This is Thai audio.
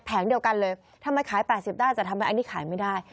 เดียวกันเลยทำไมขาย๘๐ได้แต่ทำไมอันนี้ขายไม่ได้